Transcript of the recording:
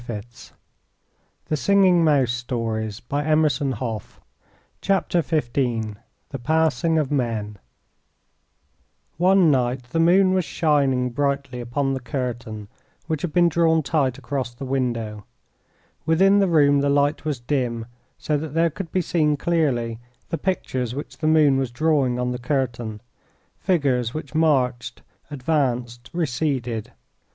[Illustration: The Passing of Men] THE PASSING OF MEN One night the moon was shining brightly upon the curtain, which had been drawn tight across the window. Within the room the light was dim, so that there could be seen clearly the pictures which the moon was drawing on the curtain, figures which marched, advanced, receded.